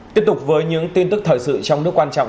tiếp tục với những tin tức thời sự trong nước quan trọng